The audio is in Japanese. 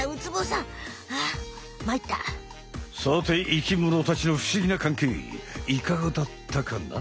さて生きものたちの不思議な関係いかがだったかな？